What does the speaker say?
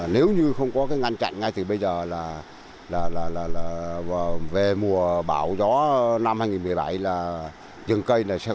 nếu như không có ngăn chặn ngay từ bây giờ là về mùa bão gió năm hai nghìn một mươi bảy là rừng cây này